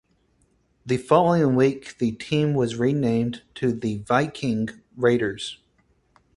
The following week the team was renamed to The Viking Raiders.